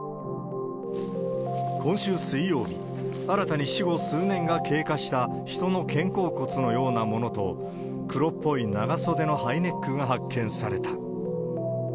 今週水曜日、新たに死後数年が経過した人の肩甲骨のようなものと、黒っぽい長袖のハイネックが発見された。